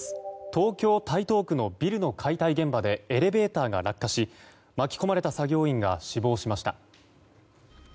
東京・台東区のビルの解体現場でエレベーターが落下し巻き込まれた作業員が死亡しました。